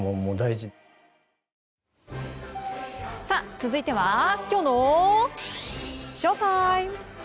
続いてはきょうのＳＨＯＴＩＭＥ！